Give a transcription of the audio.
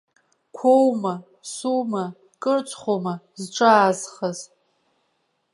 Қәоума, сума, кырцхума зҿаазхаз.